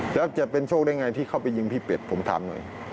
แล้วจะเป็นโชคได้ไงที่เข้าไปยิงพี่เป็ดผมถามหน่อย